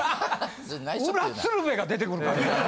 裏鶴瓶が出てくるからな。